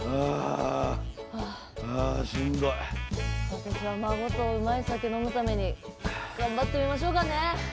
私は孫とうまい酒飲むために頑張ってみましょうかねえ！